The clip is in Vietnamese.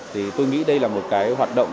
thì tôi nghĩ đây là một cái hoạt động